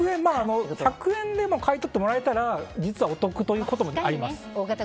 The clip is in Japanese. １００円でも買い取ってもらえたら実はお得ということもあります。